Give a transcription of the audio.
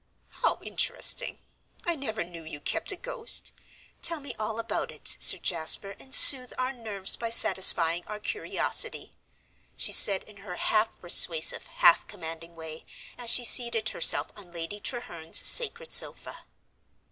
"How interesting! I never knew you kept a ghost. Tell me all about it, Sir Jasper, and soothe our nerves by satisfying our curiosity," she said in her half persuasive, half commanding way, as she seated herself on Lady Treherne's sacred sofa.